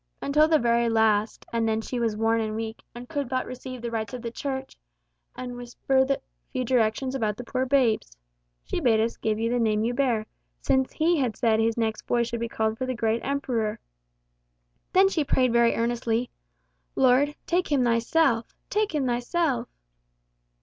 Until the very last, and then she was worn and weak, and could but receive the rites of the Church, and whisper a few directions about the poor babes. She bade us give you the name you bear, since he had said that his next boy should be called for the great Emperor. Then she prayed very earnestly, 'Lord, take him Thyself take him Thyself!